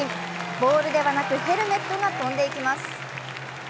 ボールではなくヘルメットが飛んでいきます。